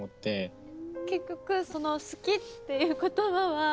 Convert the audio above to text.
結局「好き」っていう言葉は。